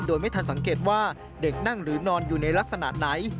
โดยไม่ทันสังเกตว่าเด็กนั่งหรือนอนอยู่ในลักษณะไหน